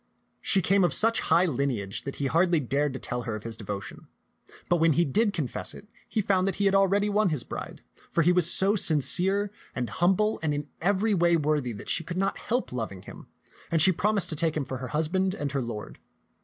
She came of such high lineage that he hardly dared to tell her of his devotion ; but when he did confess it, he found that he had already won his bride, for he was so sincere and humble and in every way worthy that she could not help loving him, and she promised to take him for her husband and her lord.